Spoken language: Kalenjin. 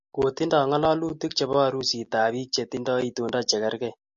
Kotinda ngalalutik chebo arusit ab bik che tindo itondo che kerke